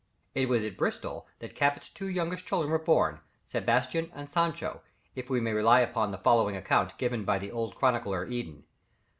It was at Bristol that Cabot's two youngest children were born, Sebastian and Sancho, if we may rely upon the following account given by the old chronicler Eden.